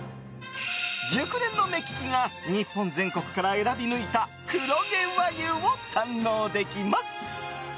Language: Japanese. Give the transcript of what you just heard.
熟練の目利きが日本全国から選び抜いた黒毛和牛を堪能できます。